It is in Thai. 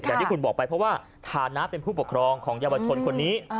อย่างที่คุณบอกไปเพราะว่าฐานะเป็นผู้ปกครองของเยาวชนคนนี้